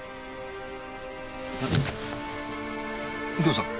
〔右京さん？